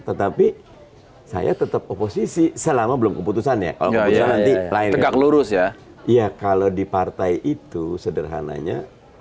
tetapi saya tetap oposisi selama belum keputusan ya oh ya ya ya ya kalau di partai itu sederhananya